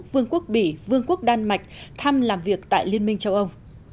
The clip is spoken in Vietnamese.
vương quốc bỉ vương quốc đan mạch thăm làm việc tại liên minh châu âu